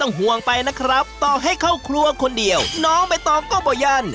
โต๊ะนู้นได้เลยค่ะเดิมได้เลยค่ะ